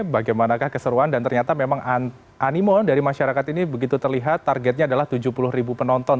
bagaimanakah keseruan dan ternyata memang animo dari masyarakat ini begitu terlihat targetnya adalah tujuh puluh ribu penonton